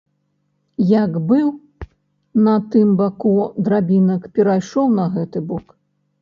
Як быў на тым баку драбінак, перайшоў на гэты бок.